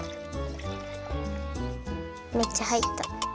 めっちゃはいった。